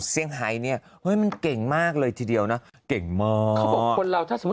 หายเนี่ยเฮ้ยมันเก่งมากเลยทีเดียวนะเก่งมากเขาบอกคนเราถ้าสมมุติ